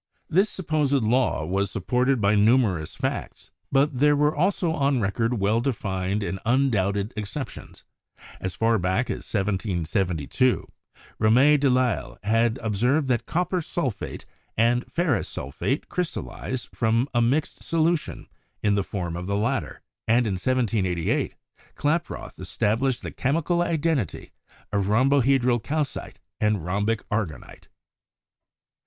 This supposed law was supported by numerous facts, but there were also on record well denned and undoubted exceptions. As far back as 1772, Rome de ITsle had ob served that copper sulphate and ferrous sulphate crystal lize from a mixed solution in the form of the latter, and in 1788 Klaproth established the chemical identity of rhombohedral calcite and rhombic aragonite.